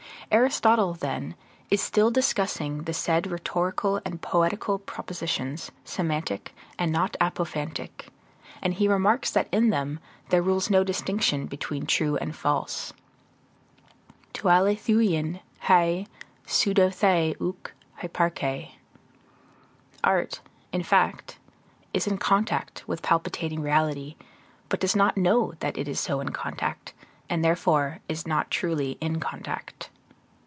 Aristotle, then, is still discussing the said rhetorical and poetical propositions, semantic and not apophantic, and he remarks that in them there rules no distinction between true and false: to alaetheueion hae pseudeothai ouk hyparchei. Art, in fact, is in contact with palpitating reality, but does not know that it is so in contact, and therefore is not truly in contact.